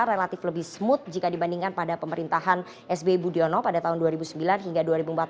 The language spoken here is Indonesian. relatif lebih smooth jika dibandingkan pada pemerintahan sbi budiono pada tahun dua ribu sembilan hingga dua ribu empat belas